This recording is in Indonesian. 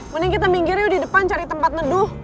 mending kita minggir yuk di depan cari tempat neduh